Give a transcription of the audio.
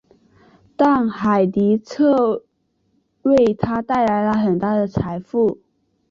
但海迪彻为他带来了很大的财富。